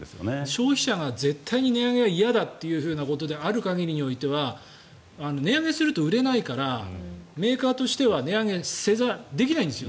消費者が絶対に値上げは嫌だということにある限りにおいては値上げすると売れないからメーカーとしては値上げできないんです。